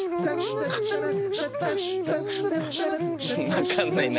分かんないな。